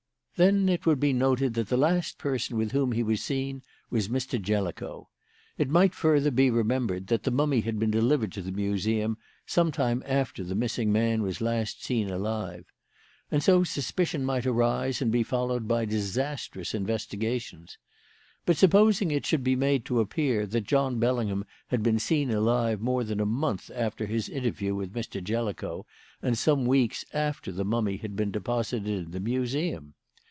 Then it would be noted that the last person with whom he was seen was Mr. Jellicoe. It might, further, be remembered that the mummy had been delivered to the Museum some time after the missing man was last seen alive. And so suspicion might arise and be followed by disastrous investigations. But supposing it should be made to appear that John Bellingham had been seen alive more than a month after his interview with Mr. Jellicoe and some weeks after the mummy had been deposited in the Museum?